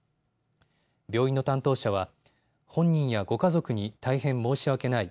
病院の担当者は本人やご家族に大変申し訳ない。